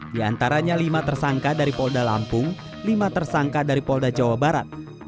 di antaranya lima tersangka dari polda lampung lima tersangka dari polda jawa barat